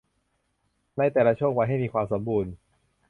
ในแต่ละช่วงวัยให้มีความสมบูรณ์